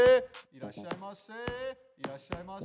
いらっしゃいませ！